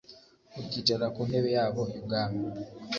ukicara ku ntebe yabo y'ubwami